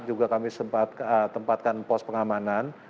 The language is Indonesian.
juga kami sempat tempatkan pos pengamanan